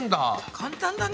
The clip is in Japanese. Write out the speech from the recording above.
簡単だね。